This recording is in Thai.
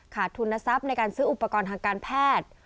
ทุนทรัพย์ในการซื้ออุปกรณ์ทางการแพทย์